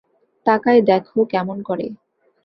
তাকায় দ্যাখো কেমন করে।